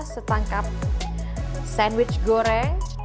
sampai ketemu lagi